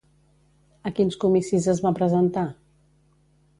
A quins comicis es va presentar?